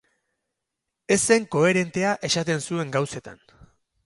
Ez zen koherentea esaten zuen gauzetan.